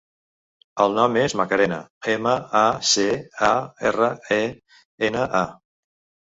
El nom és Macarena: ema, a, ce, a, erra, e, ena, a.